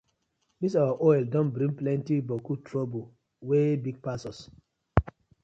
Dis our oil don bring plenti boku toruble wey big pass us.